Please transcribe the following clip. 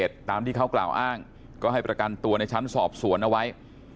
ตามที่เขากล่าวอ้างก็ให้ประกันตัวในชั้นสอบสวนเอาไว้